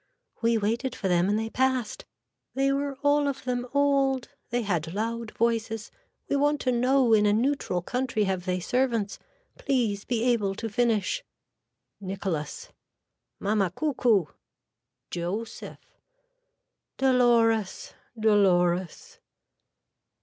We waited for them and they passed. They were all of them old. They had loud voices. We want to know in a neutral country have they servants. Please be able to finish. (Nicholas.) Mamma Coockcoo. (Joseph.) Dolores Dolores.